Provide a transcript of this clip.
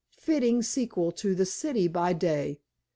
Fitting sequel to 'The City—by Day.